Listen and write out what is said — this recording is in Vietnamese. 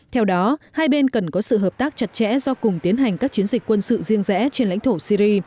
theo đó hai bên cần có sự hợp tác chặt chẽ do cùng tiến hành các chiến dịch quân sự riêng rẽ trên lãnh thổ syri